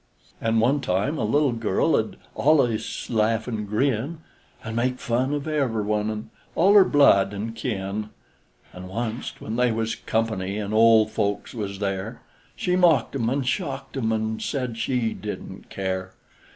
An' one time a little girl 'ud allus laugh an' grin, An' make fun of ever' one, an' all her blood an' kin; An' onc't when they was "company," an' ole folks was there, She mocked 'em an' shocked 'em, an' said she didn't care!